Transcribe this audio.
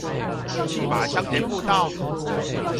赤馬鄉的步道